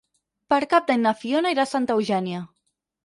Per Cap d'Any na Fiona irà a Santa Eugènia.